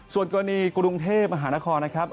ส่วนกรณีกรุงเทพมหานครนะครับ